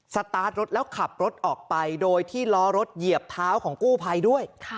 สตาร์ทรถแล้วขับรถออกไปโดยที่ล้อรถเหยียบเท้าของกู้ภัยด้วย